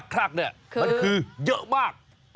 คลักเนี่ยมันคือเยอะมาก